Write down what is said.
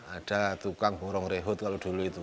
ada tukang burong rehut kalau dulu itu